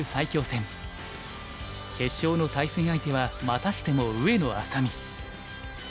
決勝の対戦相手はまたしても上野愛咲美。